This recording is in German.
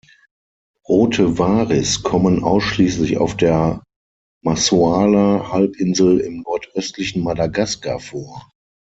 Rote Varis kommen ausschließlich auf der Masoala-Halbinsel im nordöstlichen Madagaskar vor.